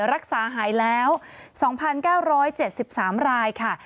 รักษาหายแล้ว๒๙๗๓รายค่ะ